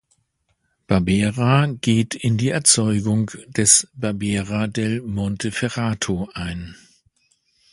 Barbera geht in die Erzeugung des Barbera del Monferrato ein.